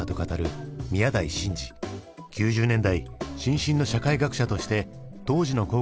９０年代新進の社会学者として当時の高校生に見いだした変化とは。